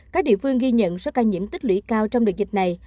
các địa phương ghi nhận số ca nhiễm tích lũy cao trong đợt dịch này